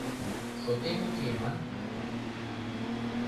— Шотем уке, ман.